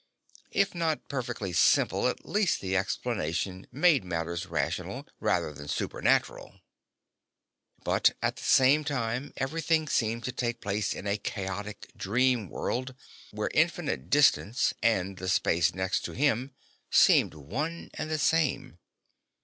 If not perfectly simple, at least the explanation made matters rational rather than supernatural. But, at the time, everything seemed to take place in a chaotic dream world where infinite distance and the space next to him seemed one and the same.